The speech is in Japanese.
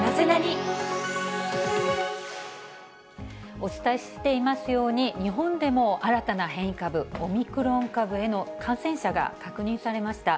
お伝えしていますように、日本でも新たな変異株、オミクロン株への感染者が確認されました。